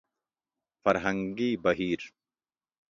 فرهنګي بهير